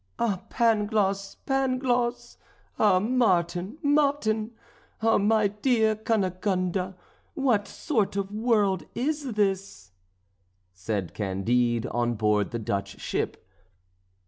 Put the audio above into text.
"Ah, Pangloss! Pangloss! Ah, Martin! Martin! Ah, my dear Cunegonde, what sort of a world is this?" said Candide on board the Dutch ship.